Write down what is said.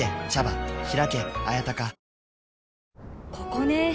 ここね。